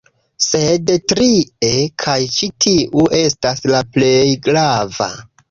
Sed trie, kaj ĉi tiu estas la plej grava